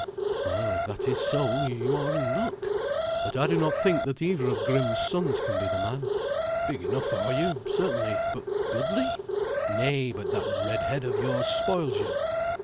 "Well, if that is so, you are in luck. But I do not think that either of Grim's sons can be the man. Big enough are you, certainly, but goodly? Nay, but that red head of yours spoils you."